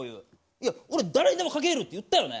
いや俺誰にでもかけれるって言ったよね？